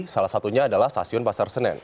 salah satunya adalah stasiun pasar senen